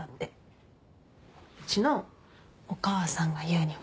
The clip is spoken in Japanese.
うちのお母さんが言うには。